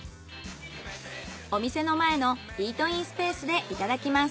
お店の前のイートインスペースでいただきます。